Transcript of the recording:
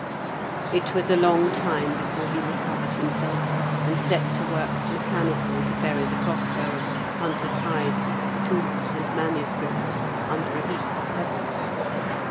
It was a long time before he recovered himself, and set to work mechanically to bury the crossbow, hunter's hides, tools, and manuscripts, under a heap of pebbles.